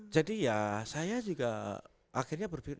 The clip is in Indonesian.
jadi ya saya juga akhirnya berpikir